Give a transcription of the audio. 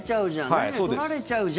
何々取られちゃうじゃん！